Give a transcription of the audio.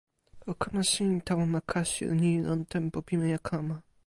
o kama sin tawa ma kasi ni lon tenpo pimeja kama.